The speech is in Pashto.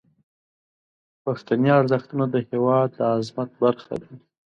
پښتني ارزښتونه د هیواد د عظمت برخه دي.